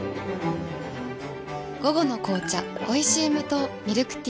午後の紅茶おいしい無糖ミルクティー